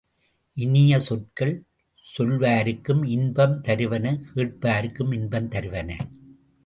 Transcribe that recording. இனிய சொற்கள் சொல்வாருக்கும் இன்பம் தருவன கேட்பாருக்கும் இன்பம் தருவன.